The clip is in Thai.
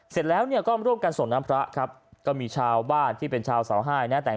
เสร็จแล้วเนี่ยก็ร่วมกันส่งน้ำพระครับก็มีชาวบ้านที่เป็นชาวเสาห้ายนะแต่ง